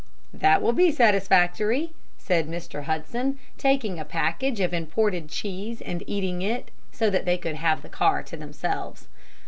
"That will be satisfactory," said Mr. Hudson, taking a package of imported cheese and eating it, so that they could have the car to themselves.